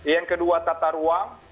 yang kedua tata ruang